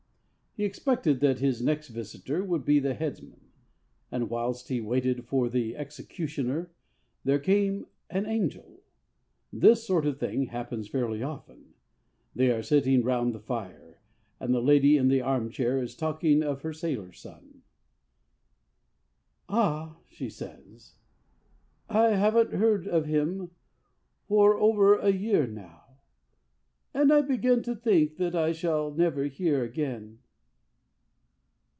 He expected that his next visitor would be the headsman; and whilst he waited for the executioner, there came an angel! This sort of thing happens fairly often. They are sitting round the fire, and the lady in the arm chair is talking of her sailor son. 'Ah!' she says, 'I haven't heard of him for over a year now, and I begin to think that I shall never hear again.'